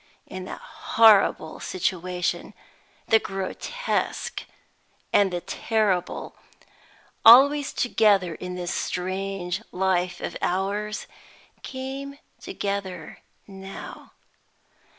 In that horrible situation, the grotesque and the terrible, always together in this strange life of ours, came together now.